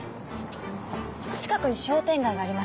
近くに商店街があります。